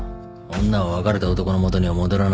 女は別れた男の元には戻らない。